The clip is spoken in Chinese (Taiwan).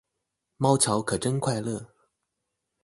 貓巧可真快樂